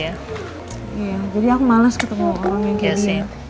iya jadi aku males ketemu orang yang gese